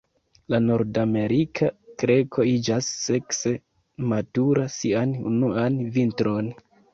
La Nordamerika kreko iĝas sekse matura sian unuan vintron.